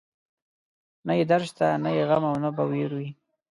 نه يې درد شته، نه يې غم او نه به وير وي